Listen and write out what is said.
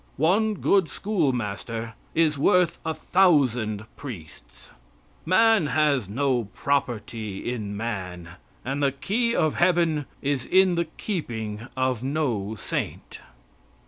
One good schoolmaster is worth a thousand priests. Man has no property in man, and the key of heaven is in the keeping of no saint."